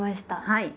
はい。